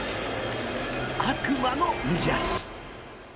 悪魔の右足。